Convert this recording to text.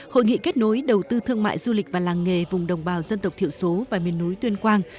hội nghị kết nối đầu tư thương mại du lịch và làng nghề vùng đồng bào dân tộc thiểu số và miền núi tuyên quang